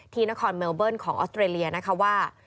ที่นครเมลเบิ้ลของออสเตรเลียนะคะว่า